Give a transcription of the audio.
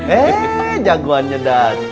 eh jagoannya dateng